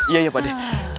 iya pak deh